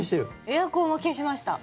エアコンは消しました。